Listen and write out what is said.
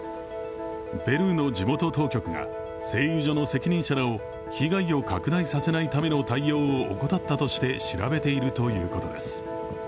ペルーの地元当局が製油所の責任者らを被害を拡大させないための対応を怠ったとして調べているということです。